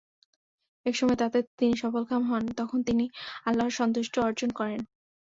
একসময় তাতে তিনি সফলকাম হন, তখন তিনি আল্লাহর সন্তুষ্টি অর্জন করেন।